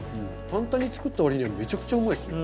簡単に作った割にはめちゃくちゃうまいですよ。